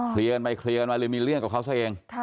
เคลียร์กันไปเลยมีเรื่องกับเขาเฉย